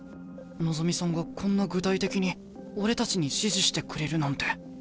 望さんがこんな具体的に俺たちに指示してくれるなんて。